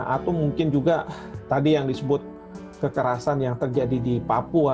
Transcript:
atau mungkin juga tadi yang disebut kekerasan yang terjadi di papua